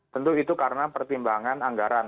tentu itu karena pertimbangan anggaran